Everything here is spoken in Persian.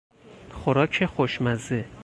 خوراک خوشمزه